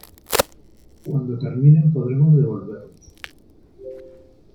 cuando terminen podemos devolvernos .